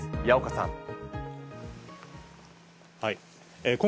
矢岡さん。